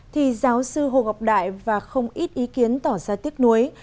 thì giáo sư hồ ngọc đại và không ít ý kiến tỏ ra tiếc nuối